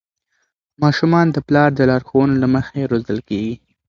ماشومان د پلار د لارښوونو له مخې روزل کېږي.